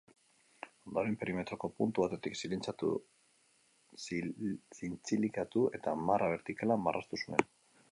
Ondoren, perimetroko puntu batetik zintzilikatu eta marra bertikala marraztu zuen.